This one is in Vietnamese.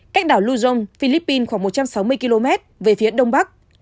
cách đảo luzon philippines khoảng một trăm sáu mươi km về phía đông bắc